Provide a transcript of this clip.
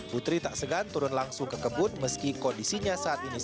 putri tak segan turun langsung ke kebun meski kondisinya saat ini sedang